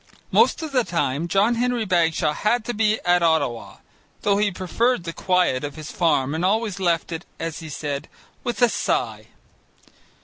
Most of the time, John Henry Bagshaw had to be at Ottawa (though he preferred the quiet of his farm and always left it, as he said, with a sigh).